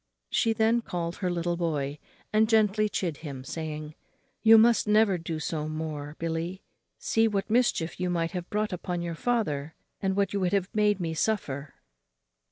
She then called her little boy and gently chid him, saying, "You must never do so more, Billy; you see what mischief you might have brought upon your father, and what you have made me suffer."